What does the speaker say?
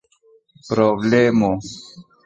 problemo